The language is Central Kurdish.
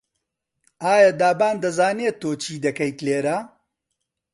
ئایا دابان دەزانێت تۆ چی دەکەیت لێرە؟